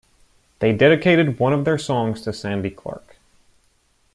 They dedicated one of their songs to Sandie Clark.